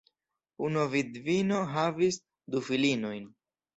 Unu vidvino havis du filinojn.